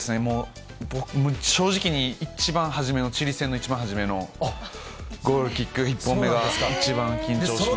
正直に一番初めの、チリ戦の一番初めのゴールキック１本目が、一番緊張しましたね。